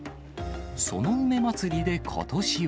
その梅まつりでことしは。